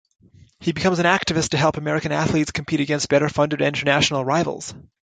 He becomes an activist to help American athletes compete against better-funded international rivals.